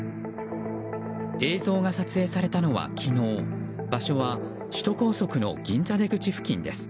映像が撮影されたのは昨日場所は首都高速の銀座出口付近です。